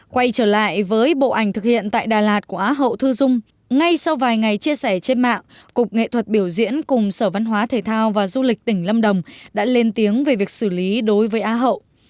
quay trở lại với bộ ảnh thực hiện tại đà lạt của á hậu thư dung ngay sau vài ngày chia sẻ trên mạng cục nghệ thuật biểu diễn cùng sở văn hóa thể thao và du lịch tỉnh lâm đồng đã lên tiếng về việc xử lý đối với á hậu